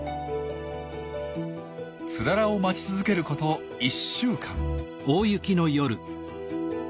ツララを待ち続けること１週間。